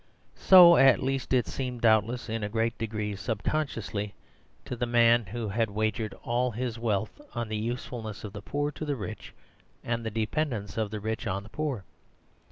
So at least it seemed, doubtless in a great degree subconsciously, to the man who had wagered all his wealth on the usefulness of the poor to the rich and the dependence of the rich on the poor.